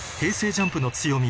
ＪＵＭＰの強み